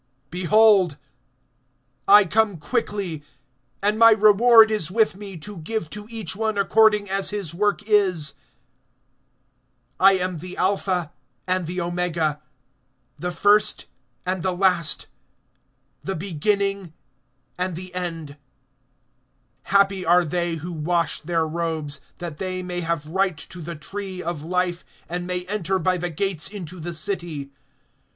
(12)Behold, I come quickly; and my reward is with me, to give to each one according as his work is. (13)I am the Alpha and the Omega, the first and the last, the beginning and the end. (14)Happy are they who wash their robes, that they may have right to the tree of life, and may enter by the gates into the city.